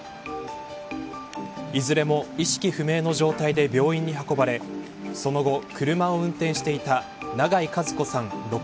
いずれも意識不明の状態で病院に運ばれその後、車を運転していた永井和子さん